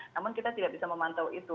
namun kita tidak bisa memantau itu